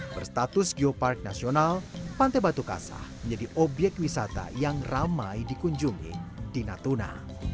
berstatus geopark nasional pantai batu kasah menjadi obyek wisata yang ramai dikunjungi di natuna